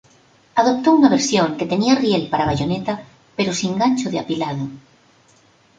Adoptó una versión que tenía riel para bayoneta, pero sin gancho de apilado.